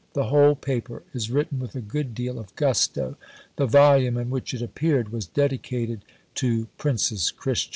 The whole paper is written with a good deal of gusto. The volume in which it appeared was dedicated to Princess Christian.